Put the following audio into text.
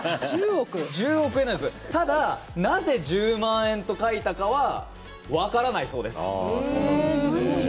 ただ、なぜ「１０万円」と書いたのか分からないそうです。